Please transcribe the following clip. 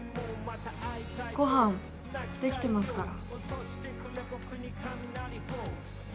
ご飯できてますから。